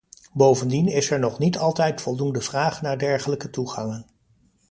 Bovendien is er nog niet altijd voldoende vraag naar dergelijke toegangen.